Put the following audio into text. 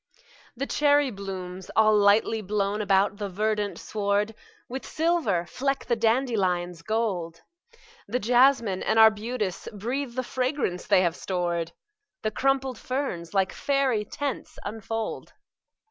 The cherry blooms, all lightly blown about the verdant sward, With silver fleck the dandelion's gold; The jasmine and arbutus breathe the fragrance they have stored; The crumpled ferns, like faery tents, unfold.